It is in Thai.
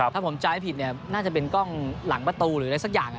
ถ้าผมใจให้ผิดน่าจะเป็นกล้องหลังประตูหรืออะไรสักอย่าง